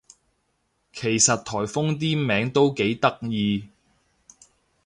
其實颱風啲名都幾得意